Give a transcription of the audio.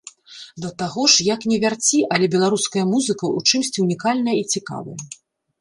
Да таго ж, як не вярці, але беларуская музыка ў чымсьці ўнікальная і цікавая.